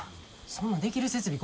そんなんできる設備